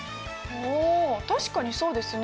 ああ確かにそうですね。